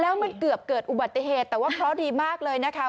แล้วมันเกือบเกิดอุบัติเหตุแต่ว่าเคราะห์ดีมากเลยนะคะ